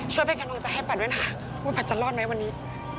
ช่วยเป็นการจัดให้ปัดด้วยนะคะว่าปัดจะรอดไหมวันนี้